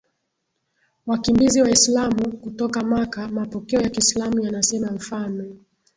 wakimbizi Waislamu kutoka Maka Mapokeo ya Kiislamu yanasema mfalme